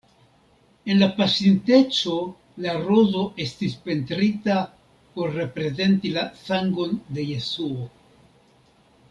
En la pasinteco la rozo estis pentrita por reprezenti la sangon de Jesuo.